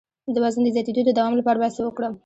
د وزن د زیاتیدو د دوام لپاره باید څه وکړم؟